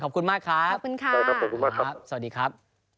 ขอบคุณมากครับ